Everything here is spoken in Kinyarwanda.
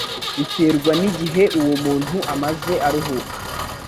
biterwa n' igihe uwo muntu amaze aruhuka.